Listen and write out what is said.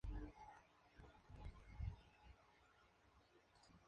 Allí cumplió funciones como secretario del comandante de la Fuerza de Submarinos.